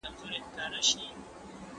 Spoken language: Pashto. هغه څوک چي موسيقي اوري آرام وي.